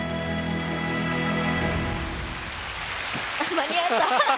間に合った。